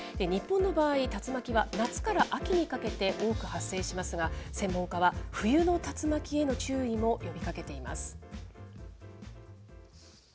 日本の場合、竜巻は夏から秋にかけて多く発生しますが、専門家は冬の竜巻への注意も呼びかけています。